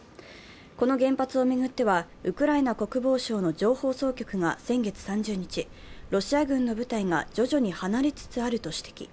この原発を巡ってはウクライナ国防省の情報総局が先月３０日、ロシア軍の部隊が徐々に離れつつあると指摘。